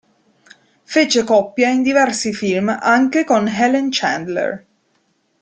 Fece coppia in diversi film anche con Helen Chandler.